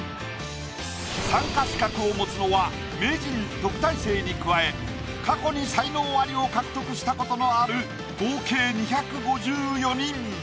参加資格を持つのは名人特待生に加え過去に才能アリを獲得した事のある合計２５４人。